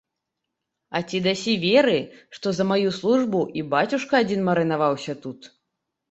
А ці дасі веры, што за маю службу і бацюшка адзін марынаваўся тут?